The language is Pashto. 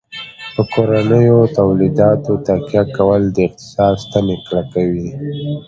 په کورنیو تولیداتو تکیه کول د اقتصاد ستنې کلکوي.